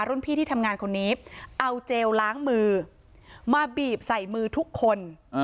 พี่ที่ทำงานคนนี้เอาเจลล้างมือมาบีบใส่มือทุกคน